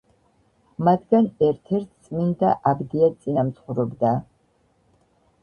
მათგან ერთ-ერთს წმინდა აბდია წინამძღვრობდა.